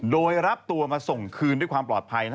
โดยรับตัวมาส่งคืนด้วยความปลอดภัย